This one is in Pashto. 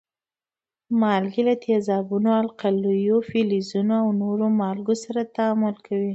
مالګې له تیزابو، القلیو، فلزونو او نورو مالګو سره تعامل کوي.